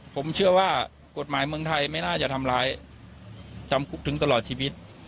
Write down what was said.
ผมเชื่อว่ากฎหมายเมืองไทยไม่น่าจะทำร้ายจำคุกถึงตลอดชีวิต